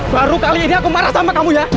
baru kali ini aku marah sama kamu ya